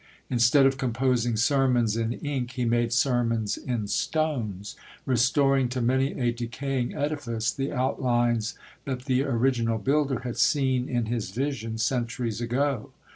Instead of composing sermons in ink, he made sermons in stones, restoring to many a decaying edifice the outlines that the original builder had seen in his vision centuries ago.